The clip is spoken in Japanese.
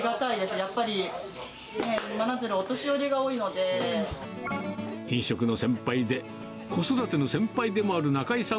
やっぱり真鶴、お年寄りが多いの飲食の先輩で、子育ての先輩でもある中居さん